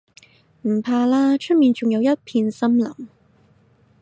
唔怕啦，出面仲有一片森林